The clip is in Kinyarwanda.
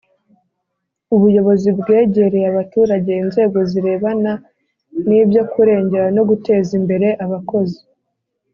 ubuyobozi bwegereye abaturage inzego zirebana nibyo kurengera no guteza imbere abakozi ,